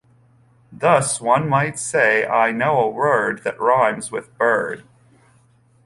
Thus one might say, I know a word that rhymes with bird.